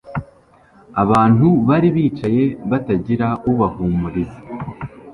Abantu bari bicaye batagira ubahumuriza,